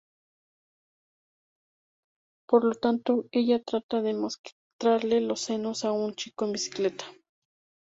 Por lo tanto ella trata de mostrarle los senos a un chico en bicicleta.